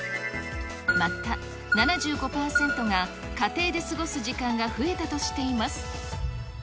また、７５％が家庭で過ごす時間が増えたとしています。